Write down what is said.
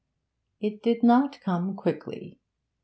It did not come quickly.